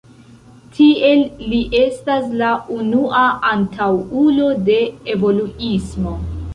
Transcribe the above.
Tiel li estas la unua antaŭulo de evoluismo.